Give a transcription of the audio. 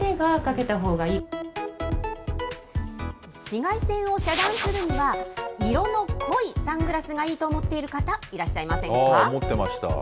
紫外線を遮断するには、色の濃いサングラスがいいと思っている方、いらっしゃいませんか思ってました。